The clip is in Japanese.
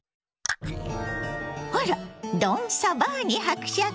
あらドン・サバーニ伯爵。